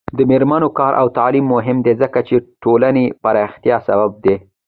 د میرمنو کار او تعلیم مهم دی ځکه چې ټولنې پراختیا سبب دی.